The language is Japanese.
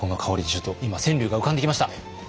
ちょっと今川柳が浮かんできました。